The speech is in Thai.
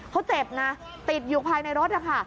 เขาเจ็บนะติดอยู่ภายในรถนะคะ